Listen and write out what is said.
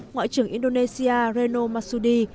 ngoại trưởng indonesia reno masudi